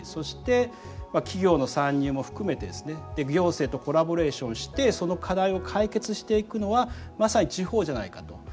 行政とコラボレーションしてその課題を解決していくのはまさに地方じゃないかと。